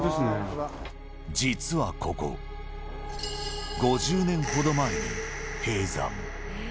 実はここ、５０年ほど前に閉山。